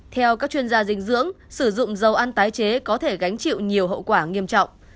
theo các chuyên gia dinh dưỡng sử dụng dầu ăn tái chế có thể gánh chịu nhiều hậu quả nghiêm trọng